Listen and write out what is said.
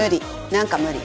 なんか無理。